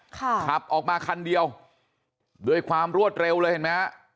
ขับออกมาคันเดียวด้วยความรวดเร็วเลยเห็นไหมฮะ